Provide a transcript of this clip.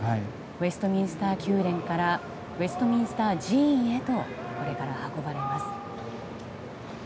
ウェストミンスター宮殿からウェストミンスター寺院へとこれから運ばれます。